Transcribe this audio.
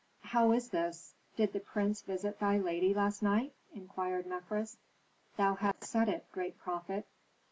"How is this? Did the prince visit thy lady last night?" inquired Mefres. "Thou hast said it, great prophet."